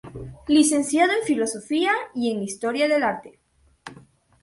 Licenciado en Filosofía y en Historia del arte.